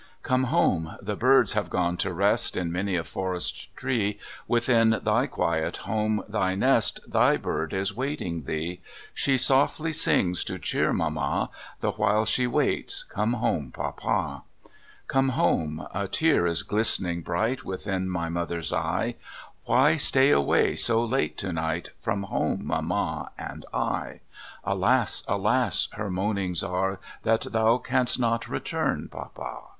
Come home! the hirds have gone to rest In many a forest tree; Within thy quiet home, thv nest. Thy bird is waiting thee; She softly sings, to cheer mamma, The while she waits come home, papa! 44 CALIFORNIA SKETCHES. Come home! a tear is glistening bright Within m\ mother's eye; Why stay away so late to night From home, mamma, and 1? "Alas! "" alas! " her moanings are That thou canst not return, papa!